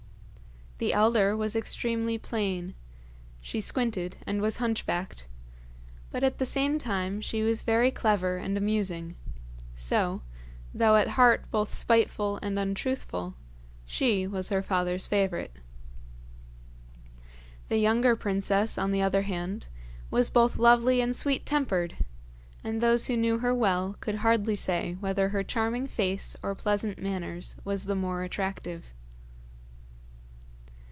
The elder was extremely plain she squinted and was hunchbacked; but at the same time she was very clever and amusing, so, though at heart both spiteful and untruthful, she was her father's favourite. The younger princess, on the other hand, was both lovely and sweet tempered, and those who knew her well could hardly say whether her charming face or pleasant manners was the more attractive.